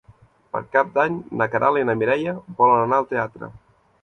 Per Cap d'Any na Queralt i na Mireia volen anar al teatre.